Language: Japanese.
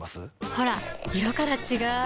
ほら色から違う！